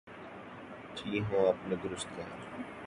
جی ہاں، آپ نے درست کہا۔